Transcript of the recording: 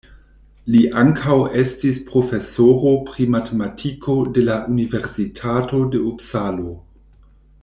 Li ankaŭ estis profesoro pri matematiko de la Universitato de Upsalo.